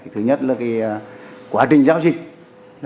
thứ nhất là quá trình giáo dịch